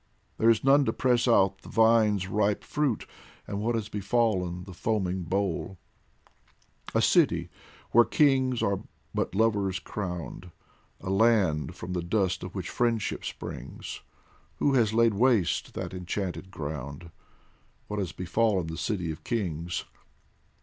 There is none to press out the vine's ripe fruit, And what has befallen the foaming bowl ? 117 POEMS FROM THE A city where kings are but lovers crowned, A land from the dust of which friendship springs Who has laid waste that enchanted ground ? What has befallen the city of kings